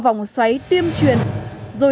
vòng xoáy tuyêm truyền rồi